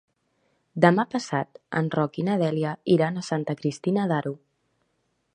Demà passat en Roc i na Dèlia iran a Santa Cristina d'Aro.